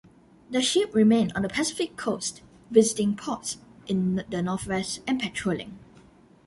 The ship remained on the Pacific coast, visiting ports in the Northwest and patrolling.